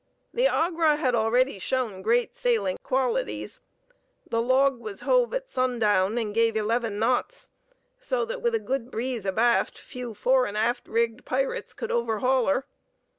The Agra had already shown great sailing qualities: the log was hove at sundown and gave eleven knots; so that with a good breeze abaft few fore and aft rigged pirates could overhaul her.